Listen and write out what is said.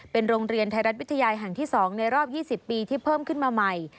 เป็นโรงเรียนไทยรัฐวิทยาแห่งที่๒ในรอบ๒๐ปีที่เพิ่มขึ้นมาใหม่